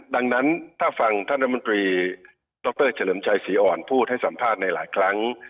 ดังนั้นถ้าฟังท่านรัฐมนตรีดรเฉลิมชัยศรีอ่อนพูดให้สัมภาษณ์ในหลายครั้ง